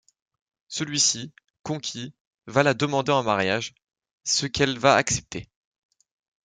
Celui-ci, conquis, va la demander en mariage, ce qu'elle va accepter.